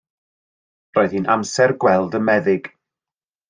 Roedd hi'n amser gweld y meddyg.